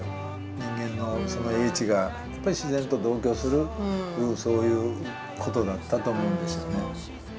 人間の英知がやっぱり自然と同居するそういうことだったと思うんですよね。